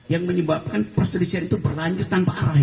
yang menyebabkan perselisihan itu berlanjut tanpa arah